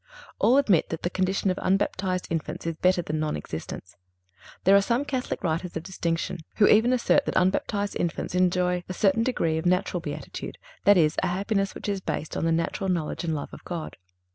All admit that the condition of unbaptized infants is better than non existence. There are some Catholic writers of distinction who even assert that unbaptized infants enjoy a certain degree of natural beatitude—that is, a happiness which is based on the natural knowledge and love of God.